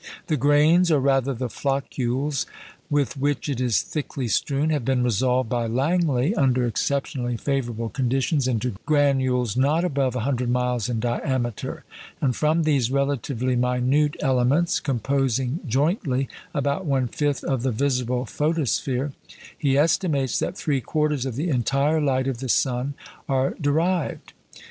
The grains, or rather the "floccules," with which it is thickly strewn, have been resolved by Langley, under exceptionally favourable conditions, into "granules" not above 100 miles in diameter; and from these relatively minute elements, composing, jointly, about one fifth of the visible photosphere, he estimates that three quarters of the entire light of the sun are derived.